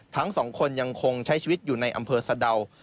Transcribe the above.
ทั้งสองคนยังคงใช้ชีวิตอยู่ในอำเภอสะดาว